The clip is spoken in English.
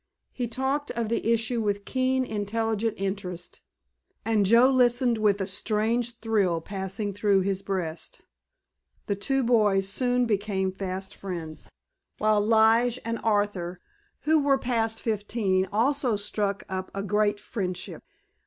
He talked of the issue with keen, intelligent interest, and Joe listened with a strange thrill passing through his breast. The two boys soon became fast friends, while Lige and Arthur, who was past fifteen, also struck up a great friendship.